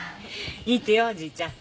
いいってよおじいちゃん。